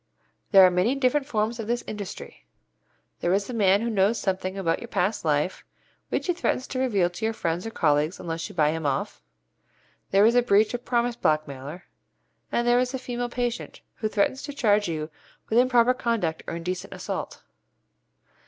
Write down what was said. There are many different forms of this industry. There is the man who knows something about your past life, which he threatens to reveal to your friends or colleagues unless you buy him off. There is the breach of promise blackmailer, and there is the female patient, who threatens to charge you with improper conduct or indecent assault.